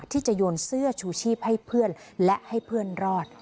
ที่จะโยนเสื้อชูชีพให้เพื่อนและให้เพื่อนรอด